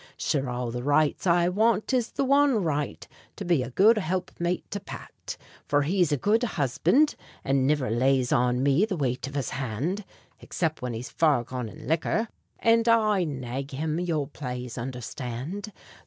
Sure all the rights I want is the one right, To be a good helpmate to Pat; For he's a good husband and niver Lays on me the weight of his hand Except when he's far gone in liquor, And I nag him, you'll plase understand.